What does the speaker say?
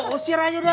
usir aja dah